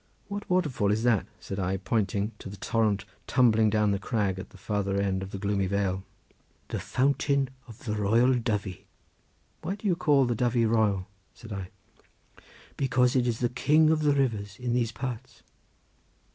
"What waterfall is that?" said I, pointing to the torrent tumbling down the crag at the farther end of the gloomy vale. "The fountain of the Royal Dyfi." "Why do you call the Dyfy royal?" said I. "Because it is the king of the rivers in these parts."